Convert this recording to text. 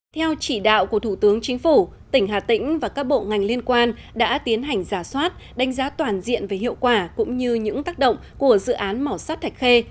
theo chỉ đạo của thủ tướng chính phủ tỉnh hà tĩnh và các bộ ngành liên quan đã tiến hành giả soát đánh giá toàn diện về hiệu quả cũng như những tác động của dự án mỏ sắt thạch khê